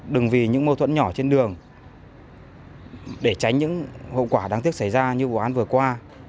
đừng vì những mâu thuẫn nhỏ trên đường để tránh những hậu quả đáng tiếc xảy ra như vụ án vừa qua